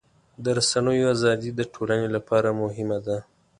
د رسنیو ازادي د ټولنې لپاره مهمه ده.